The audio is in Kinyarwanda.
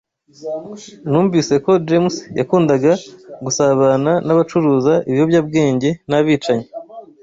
Numvise ko James yakundaga gusabana n'abacuruza ibiyobyabwenge n'abicanyi.